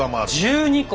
１２個！